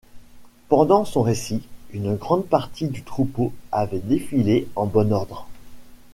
Pendant son récit, une grande partie du troupeau avait défilé en bon ordre.